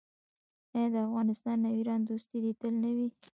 آیا د افغانستان او ایران دوستي دې تل نه وي؟